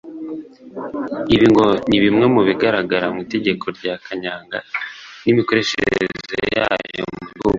Ibi ngo ni bimwe mu bigaragara mu itegeko rya kanyanga n’imikoresherezwe yayo mu gihugu